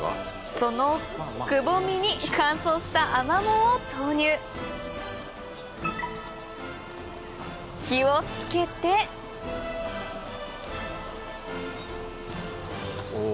そのくぼみに乾燥したアマモを投入火を付けておぉ。